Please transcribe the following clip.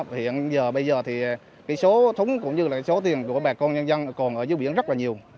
hiện giờ bây giờ thì số thúng cũng như số thuyền của bà con nhân dân còn ở dưới biển rất là nhiều